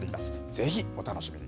ぜひお楽しみに。